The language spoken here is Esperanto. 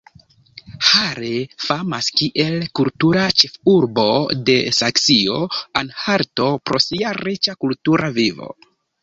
Halle famas kiel "kultura ĉefurbo" de Saksio-Anhalto pro sia riĉa kultura vivo.